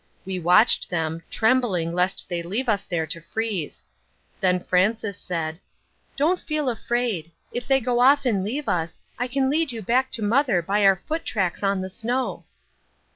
We watched them, trembling lest they leave us there to freeze. Then Frances said, "Don't feel afraid. If they go off and leave us, I can lead you back to mother by our foot tracks on the snow."